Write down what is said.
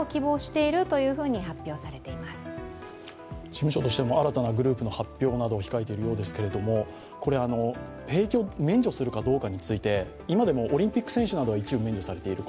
事務所としても、新たなグループの発表などを控えているようですけれども、兵役を免除するかどうかについて、今でもオリンピック選手などは一部免除されている。